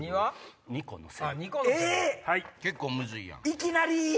いきなり？